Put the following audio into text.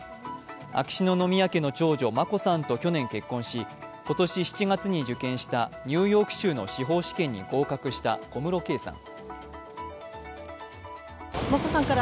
秋篠宮家の長女・眞子さんと去年結婚し今年７月に受験したニューヨーク州の司法試験に合格した小室圭さん。